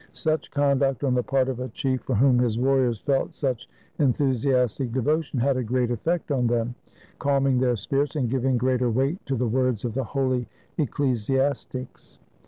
Such conduct on the part of a chief for whom his warriors felt such enthusiastic devo tion, had a great effect on them, calming their spirits and giving greater weight to the words of the holy ecclesiastics.